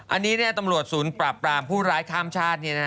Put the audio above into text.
อันนี้เนี่ยตำรวจศูนย์ปราบปรามผู้ร้ายข้ามชาติเนี่ยนะฮะ